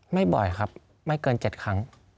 ไม่บ่อยครับไม่เกิน๗ครั้ง